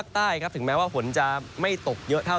ตั้งแต่ฝนจะไม่ตกห้องเยอะเท่า